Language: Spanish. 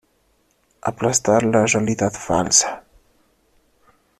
Aplastar la realidad falsa.